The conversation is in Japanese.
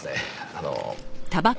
あの。